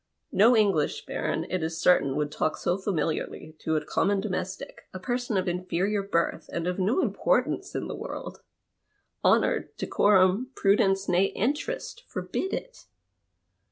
No English baron, it is certain, would talk so familiarly to a common domestic, a person of inferior birth, and of no importance in the world. Honour, decorum, jirudencc, nay, interest, forbid it.